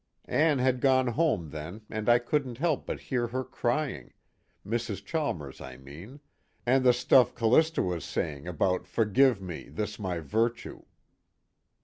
Ann had gone home then and I couldn't help but hear her crying, Mrs. Chalmers I mean, and the stuff C'lista was saying about forgive me this my virtue."